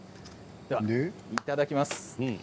ではいただきます。